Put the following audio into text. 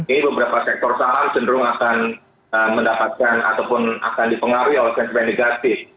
ini beberapa sektor saham cenderung akan mendapatkan ataupun akan dipengaruhi oleh sentimen negatif